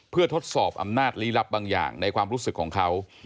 เพื่อทดสอบอำนาจลี้ลับบางอย่างในความรู้สึกของเขา